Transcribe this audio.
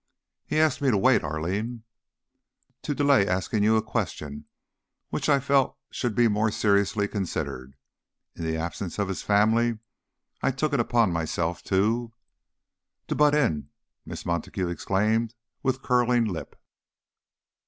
"He ast me to wait, Arline " "To delay asking you a question which I felt should be more seriously considered. In the absence of his family I took it upon myself to " "To butt in!" Miss Montague exclaimed, with curling lip.